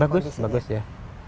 bagus bagus ya